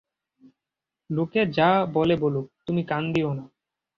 লোকে যা বলে বলুক, তুমি কান দিয়ো না।